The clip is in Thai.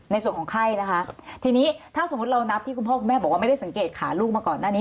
ในส่วนของไข้นะคะทีนี้ถ้าสมมุติเรานับที่คุณพ่อคุณแม่บอกว่าไม่ได้สังเกตขาลูกมาก่อนหน้านี้